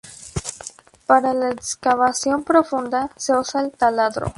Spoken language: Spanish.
Para la excavación profunda se usa el taladro.